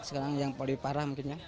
sekarang yang paling parah mungkin ya